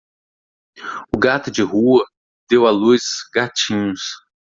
O gato de rua deu à luz gatinhos.